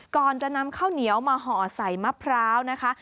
ก่อนจะนำข้าวเหนียวมาห่อใส่มะพร้าวนะคะ